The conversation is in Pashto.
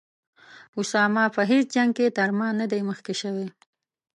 اسامه په هیڅ جنګ کې تر ما نه دی مخکې شوی.